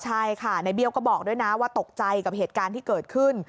ใช่ค่ะในเบี้ยวก็บอกด้วยนะว่าตกใจกับเหตุการณ์ที่เกิดขึ้น